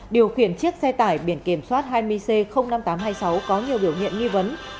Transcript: điều khiển chiếc xe tải biển kiểm soát hai mươi c năm nghìn tám trăm hai mươi sáu có nhiều biểu hiện nghi vấn